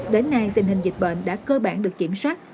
đến nay tình hình dịch bệnh đã cơ bản được kiểm soát